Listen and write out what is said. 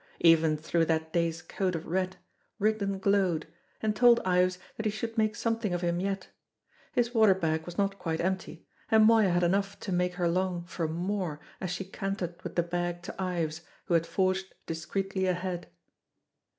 Even through that day's coat of red, Rigden glowed, and told Ives that he should make something of him yet. His water bag was not quite empty, and Moya had enough to make her long for more as she cantered with the bag to Ives, who had forged discreetly ahead.